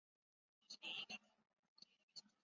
是下辖的一个民族乡。